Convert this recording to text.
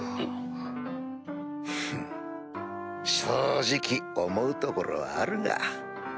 フン正直思うところはあるが。